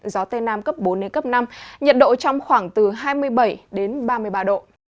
gió tây nam cấp bốn đến cấp năm nhiệt độ trong khoảng từ hai mươi bảy đến ba mươi ba độ